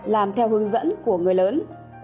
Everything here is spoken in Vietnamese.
làm theo hướng dẫn của người lớn